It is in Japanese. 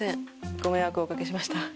ご迷惑をおかけしました。